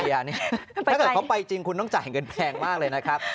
ถ้าเกิดเขาไปจริงคุณต้องจ่ายเงินแพงมากเลยนะครับ